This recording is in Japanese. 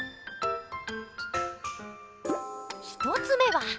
１つ目は。